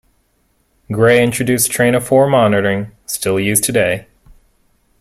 Gray introduced train-of-four monitoring, still used today.